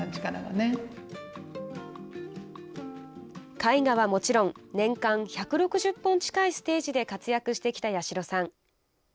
絵画はもちろん年間１６０本近いステージで活躍してきた八代さん。